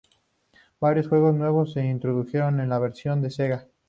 Varios juegos nuevos se introdujeron en la versión de Sega.